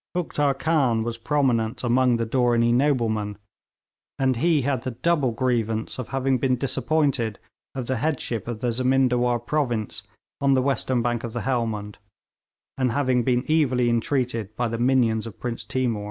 Uktar Khan was prominent among the Dooranee noblemen, and he had the double grievance of having been disappointed of the headship of the Zemindawar province on the western bank of the Helmund, and having been evilly entreated by the minions of Prince Timour.